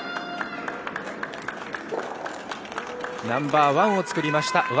ナンバーワンをつくりました。